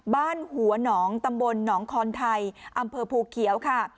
บ้านหัวหนองตำบลหนองคอนไทยอำเภอภูเขียวค่ะ